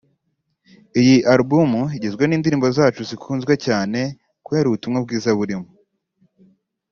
Iyi Album igizwe n’indirimbo zacu zikunzwe cyane kubera ubutumwa bwiza burimo